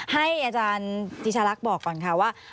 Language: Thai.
ให้อาจารย์ติชาลักษณ์บอกก่อนค่ะว่า